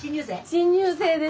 新入生です。